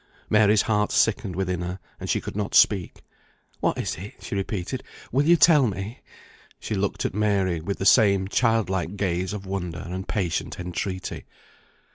Mary's heart sickened within her, and she could not speak. "What is it?" she repeated. "Will you tell me?" She still looked at Mary, with the same child like gaze of wonder and patient entreaty.